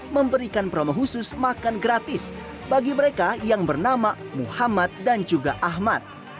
memberikan promo khusus makan gratis bagi mereka yang bernama muhammad dan juga ahmad